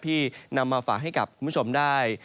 ที่นำมาฝากให้กับคุณผู้ชมได้